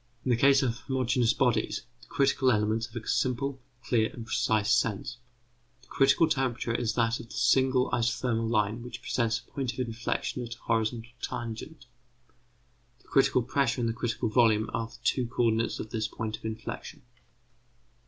In the case of homogeneous bodies the critical elements have a simple, clear, and precise sense; the critical temperature is that of the single isothermal line which presents a point of inflexion at a horizontal tangent; the critical pressure and the critical volume are the two co ordinates of this point of inflexion.